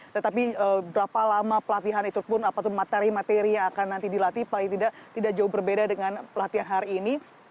tetapi berapa lama pelatihan itu pun materi materi yang akan nanti dilatih paling tidak tidak jauh berbeda dengan pelatihan hari ini